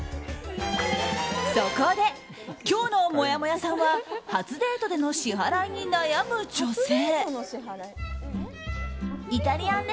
そこで、今日のもやもやさんは初デートでの支払いに悩む女性。